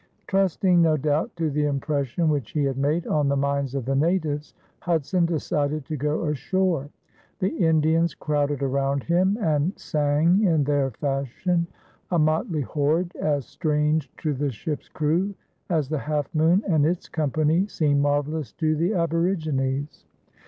Trusting, no doubt, to the impression which he had made on the minds of the natives, Hudson decided to go ashore. The Indians crowded around him and "sang in their fashion" a motley horde, as strange to the ship's crew as the Half Moon and its company seemed marvelous to the aborigines.